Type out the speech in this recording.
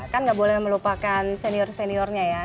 kan nggak boleh melupakan senior seniornya ya